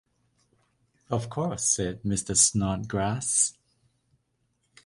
‘Of course,’ said Mr. Snodgrass.